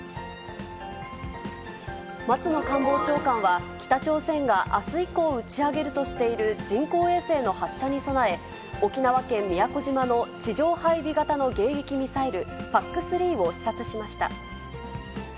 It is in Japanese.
松野官房長官は、北朝鮮があす以降打ち上げるとしている人工衛星の発射に備え、沖縄県宮古島の地上配備型の迎撃ミサイル、ＰＡＣ３を視察しました。